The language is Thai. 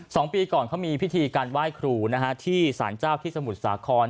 สองปีก่อนเขามีพิธีการไหว้ครูนะฮะที่สารเจ้าที่สมุทรสาคร